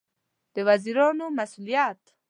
د وزیرانو مسوولیت